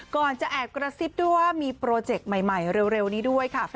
ก่อนจะแอกเกอร์ซิฟต์ด้วยมีโปรเจคใหม่เร็วนี้ด้วยค่ะ